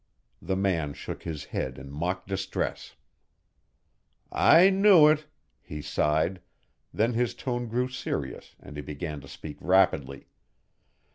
The man shook his head in mock distress. "I knew it," he sighed, then his tone grew serious and he began to speak rapidly.